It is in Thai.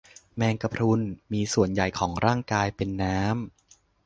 แมงกะพรุน มีส่วนใหญ่ของร่างกายเป็นน้ำ